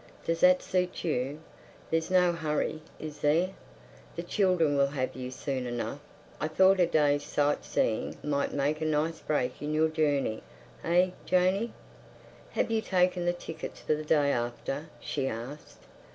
Does that suit you? There's no hurry, is there? The children will have you soon enough.... I thought a day's sight seeing might make a nice break in your journey—eh, Janey?" "Have you taken the tickets for the day after?" she asked.